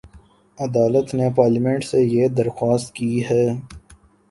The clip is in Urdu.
عدالت نے پارلیمنٹ سے یہ درخواست کی ہے